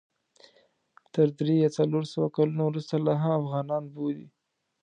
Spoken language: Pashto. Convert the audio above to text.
تر درې یا څلور سوه کلونو وروسته لا هم افغانان بولي.